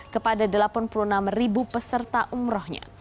kepada delapan puluh enam ribu peserta umrohnya